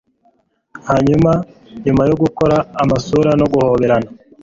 hanyuma nyuma yo gukora amasura no guhoberana